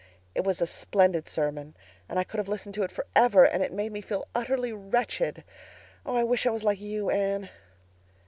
"It was a splendid sermon and I could have listened to it forever, and it made me feel utterly wretched. Oh, I wish I was like you, Anne.